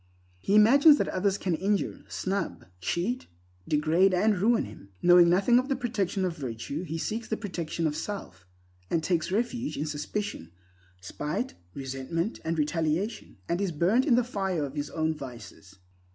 He imagines that others can injure, snub, cheat, degrade and ruin him. Knowing nothing of the protection of virtue, he seeks the protection of self, and takes refuge in suspicion, spite, resentment, and retaliation, and is burnt in the fire of his own vices.